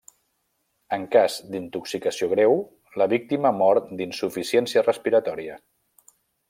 En cas d'intoxicació greu, la víctima mor d'insuficiència respiratòria.